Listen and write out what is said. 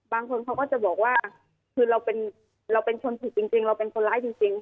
บางคนเขาก็จะบอกว่าคือเราเป็นคนผิดจริงเราเป็นคนร้ายจริง